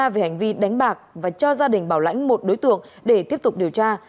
về hành vi đánh bạc và cho gia đình bảo lãnh một đối tượng để tiếp tục điều tra